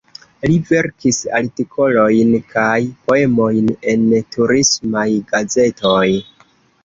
Li verkis artikolojn kaj poemojn en turismaj gazetoj.